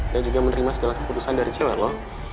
dan juga menerima segala keputusan dari cewe lo